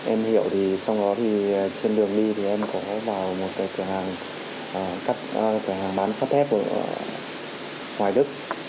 em hiểu thì sau đó thì trên đường đi thì em có vào một cái cửa hàng cắt cửa hàng bán sắt thép hoài đức